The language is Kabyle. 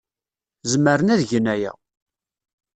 Zemren ad gen aya.